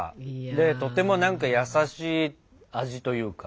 でとても何か優しい味というか。